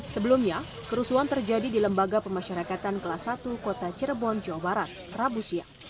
sebelumnya kerusuhan terjadi di lembaga pemasyarakatan kelas satu kota cirebon jawa barat rabu siang